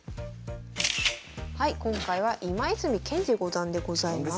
はい今回は今泉健司五段でございます。